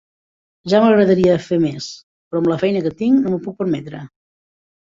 Ja m'agradaria fer més, però amb la feina que tinc no m'ho puc permetre.